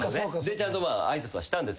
ちゃんと挨拶はしたんですけど。